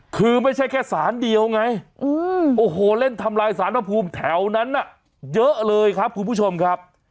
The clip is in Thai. คือไม่ใช่แค่สารเดียวไงโอ้โหเล่นทำลายสารพระภูมิแถวนั้นน่ะเยอะเลยครับคุณผู้ชมครับ